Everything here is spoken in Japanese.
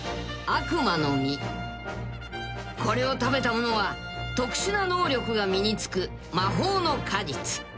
［悪魔の実これを食べた者は特殊な能力が身につく魔法の果実］